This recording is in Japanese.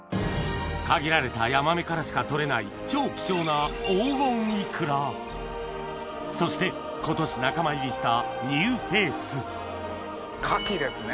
限られたヤマメからしか採れない超希少なそして今年仲間入りしたニューフェース牡蠣ですね。